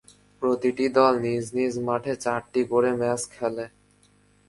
প্রতিটি দল নিজ নিজ মাঠে চারটি করে ম্যাচ খেলে।